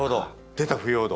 出た腐葉土。